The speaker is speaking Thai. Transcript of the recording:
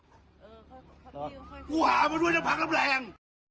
กูหามาด้วยน้ำพักน้ำแรง